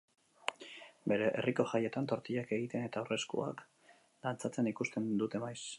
Bere herriko jaietan tortillak egiten eta aurreskuak dantzatzen ikusten dute maiz.